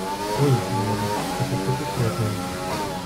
Oui, mon ami, ça se souhaite aussi la veille.